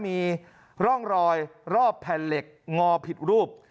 มีร่องรอยรอบแผ่นเหล็กงอผิดรูป